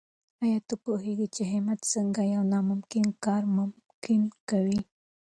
آیا ته پوهېږې چې همت څنګه یو ناممکن کار ممکن کوي؟